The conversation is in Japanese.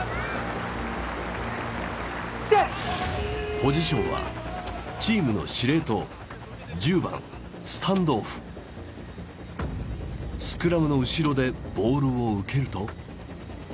ポジションはチームの司令塔１０番スクラムの後ろでボールを受けると。